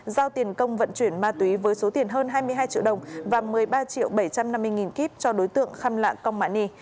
giao tiền công vận chuyển ma túy với số tiền hơn hai mươi hai triệu đồng và một mươi ba triệu bảy trăm năm mươi nghìn kip cho đối tượng kham la kong man ni